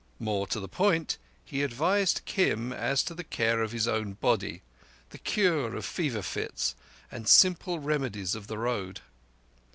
More to the point, he advised Kim as to the care of his own body, the cure of fever fits, and simple remedies of the Road.